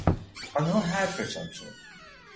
آنها حرفشان شد.